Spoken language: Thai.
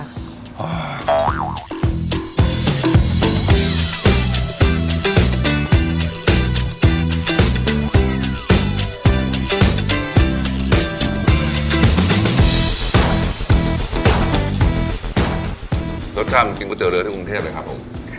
รสชาติมันกินก๋วเรือที่กรุงเทพเลยครับผม